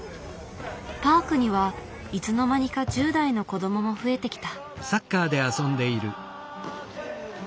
パークにはいつの間にか１０代の子どもも増えてきた。